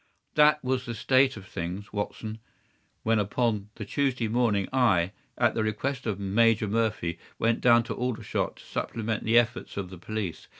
"That was the state of things, Watson, when upon the Tuesday morning I, at the request of Major Murphy, went down to Aldershot to supplement the efforts of the police.